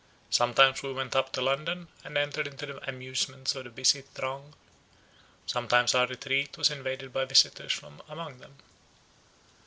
Sometimes we went up to London, and entered into the amusements of the busy throng; sometimes our retreat was invaded by visitors from among them.